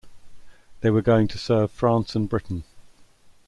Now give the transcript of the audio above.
They were going to serve France and Britain.